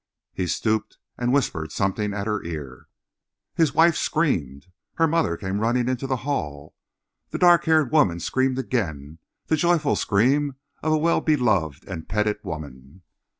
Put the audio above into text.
He stooped and whispered something at her ear. His wife screamed. Her mother came running into the hall. The dark haired woman screamed again—the joyful scream of a well beloved and petted woman.